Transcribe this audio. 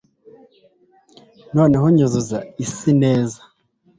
Noneho nyuzuza isi neza